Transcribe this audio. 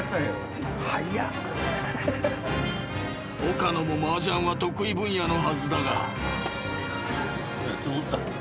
［岡野もマージャンは得意分野のはずだが］